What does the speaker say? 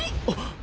あっ。